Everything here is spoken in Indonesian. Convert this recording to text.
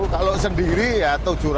kalau sendiri ya tujuh ratus